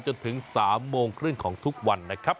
จนถึง๓โมงครึ่งของทุกวันนะครับ